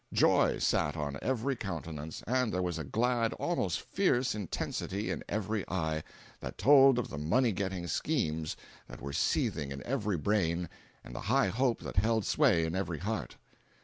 Joy sat on every countenance, and there was a glad, almost fierce, intensity in every eye, that told of the money getting schemes that were seething in every brain and the high hope that held sway in every heart.